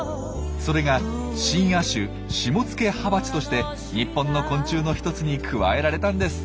それが新亜種シモツケハバチとして日本の昆虫の一つに加えられたんです。